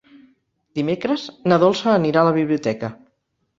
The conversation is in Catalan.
Dimecres na Dolça anirà a la biblioteca.